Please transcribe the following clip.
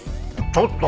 ちょっと！